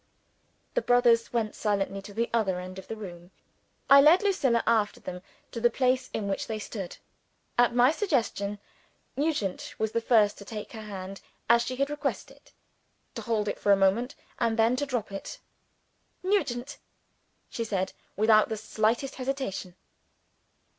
The brothers went silently to the other end of the room. I led Lucilla, after them, to the place in which they stood. At my suggestion, Nugent was the first to take her hand, as she had requested; to hold it for a moment, and then to drop it. "Nugent!" she said, without the slightest hesitation.